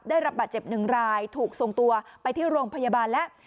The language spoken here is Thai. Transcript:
ได้รับบาดเจ็บหนึ่งรายถูกส่งตัวไปที่โรงพยาบาลแล้ว